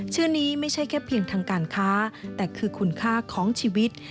ชื่อนี้ไม่ใช่แค่เพียงทางการค้าแต่คือคุณค่าของชีวิต